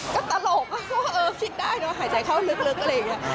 ก็ตลกคิดได้นะว่าหายใจเข้าลึกอะไรอย่างนี้